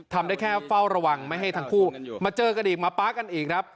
ทำได้แค่เฝ้าระวังไม่ให้ทั้งคู่มาเจอกันอีกมาป๊ากันอีกครับ